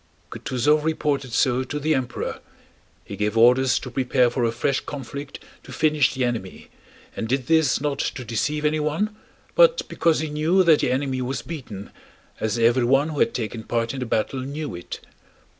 Kutúzov reported so to the Emperor. He gave orders to prepare for a fresh conflict to finish the enemy and did this not to deceive anyone, but because he knew that the enemy was beaten, as everyone who had taken part in the battle knew it.